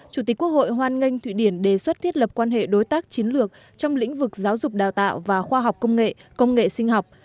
chủ tịch quốc hội hoan nghênh thụy điển đề xuất thiết lập quan hệ đối tác chiến lược trong lĩnh vực giáo dục đào tạo và khoa học công nghệ công nghệ sinh học